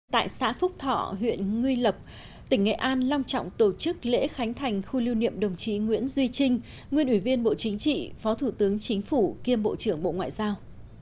tại xã phúc thọ huyện nguy lập tỉnh nghệ an long trọng tổ chức lễ khánh thành khu lưu niệm đồng chí nguyễn duy trinh nguyên ủy viên bộ chính trị phó thủ tướng chính phủ kiêm bộ trưởng bộ ngoại giao